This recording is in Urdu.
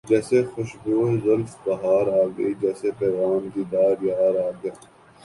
جیسے خوشبوئے زلف بہار آ گئی جیسے پیغام دیدار یار آ گیا